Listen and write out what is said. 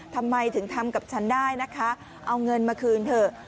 ทำไมถึงทำกับฉันได้นะคะเอาเงินมาคืนเถอะ